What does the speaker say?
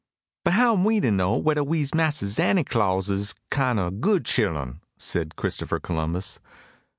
"But how am we to know wedder we's Mahser Zanty Claws's kine o' good chillun?" said Christopher Columbus.